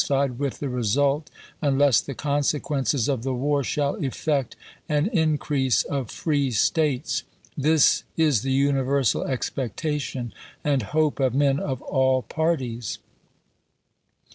fied with the result, unless the consequences of the chap, xii, war shall effect an increase of free States. This is the universal expectation and hope of men of all parties."